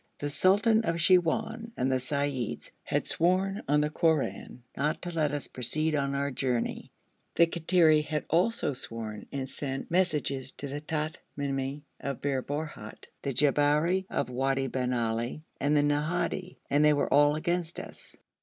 The sultan of Siwoun and the seyyids had sworn on the Koran not to let us proceed on our journey; the Kattiri had also sworn and sent messages to the Tamimi of Bir Borhut, the Jabberi of Wadi bin Ali, and the Nahadi, and they were all against us.